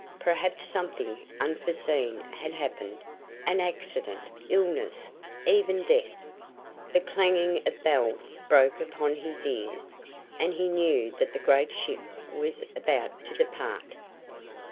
Perhaps something unforeseen had happened an accident illness even death! The clanging of bells broke upon his ears and he knew that the great ship was about to depart.